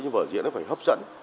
nhưng vở diễn nó phải hấp dẫn